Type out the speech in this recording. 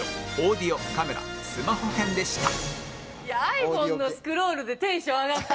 以上いや ｉＰｈｏｎｅ のスクロールでテンション上がってるの